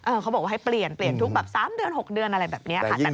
เขาบอกว่าให้เปลี่ยนเปลี่ยนทุกแบบ๓เดือน๖เดือนอะไรแบบนี้ค่ะ